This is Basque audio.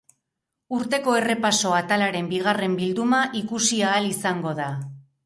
Urteko errepaso atalaren bigarren bilduma ikusi ahal izango da.